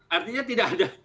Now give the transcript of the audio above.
artinya tidak ada